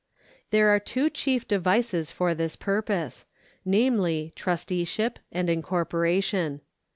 There are two chief devices for this purpose, namely trusteeship and incorporation.